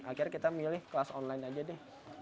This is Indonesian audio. akhirnya kita milih kelas online aja deh